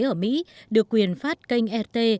ở mỹ được quyền phát kênh rt